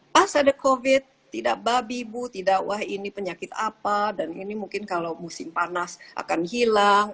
pas ada covid tidak babi ibu tidak wah ini penyakit apa dan ini mungkin kalau musim panas akan hilang